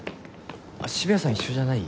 あっ渋谷さん一緒じゃない？